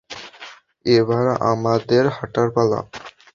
এবার আমাদের হাঁটার পালা।